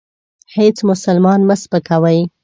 هیڅ مسلمان مه سپکوئ.